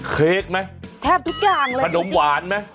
เค้กมั้ยขนมหวานมั้ย